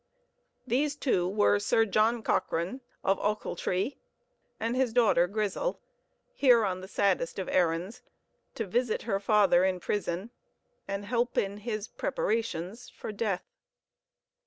These two were Sir John Cochrane, of Ochiltree, and his daughter Grizel here on the saddest of errands, to visit her father in prison and help in his preparations for death.